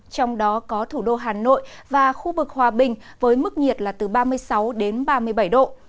trong đó có thủ đô hà nội và khu vực hòa bình với mức nhiệt là từ ba mươi sáu đến ba mươi bảy độ